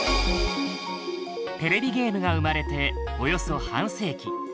テレビゲームが生まれておよそ半世紀。